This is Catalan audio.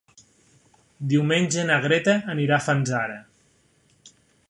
Diumenge na Greta anirà a Fanzara.